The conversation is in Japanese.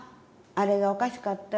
これがおかしかったね。